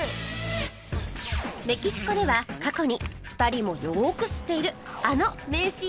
メキシコでは過去に２人もよく知っているあの名シーンも生まれています